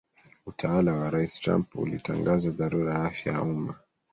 Utawala wa Rais Trump ulitangaza dharura ya afya ya umma